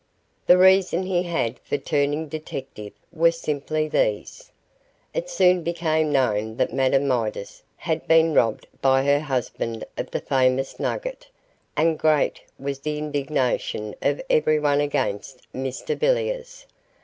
The reasons he had for turning detective were simply these: It soon became known that Madame Midas had been robbed by her husband of the famous nugget, and great was the indignation of everyone against Mr Villiers.